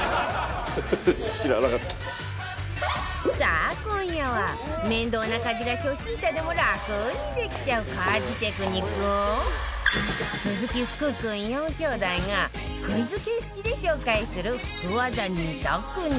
さあ今夜は面倒な家事が初心者でも楽にできちゃう家事テクニックを鈴木福君４兄妹がクイズ形式で紹介する福ワザ２択に